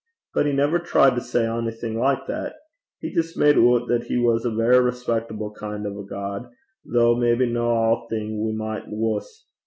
But he never tried to say onything like that. He jist made oot that he was a verra respectable kin' o' a God, though maybe no a'thing we micht wuss.